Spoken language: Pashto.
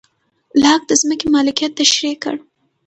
لاک د ځمکې مالکیت تشرېح کړ.